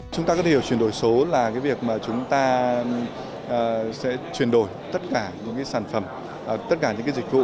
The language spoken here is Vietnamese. chúng ta có thể hiểu chuyển đổi số là việc chúng ta sẽ chuyển đổi tất cả những sản phẩm tất cả những dịch vụ